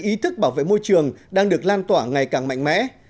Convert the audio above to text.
ý thức bảo vệ môi trường đang được lan tỏa ngày càng mạnh mẽ